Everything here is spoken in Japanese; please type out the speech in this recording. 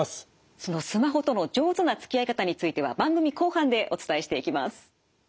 そのスマホとの上手なつきあい方については番組後半でお伝えしていきます。